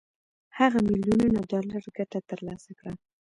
هغه میلیونونه ډالر ګټه تر لاسه کړه